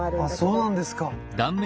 あそうなんですか。